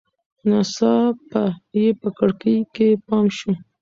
ناڅاپه یې په کړکۍ کې پام شو.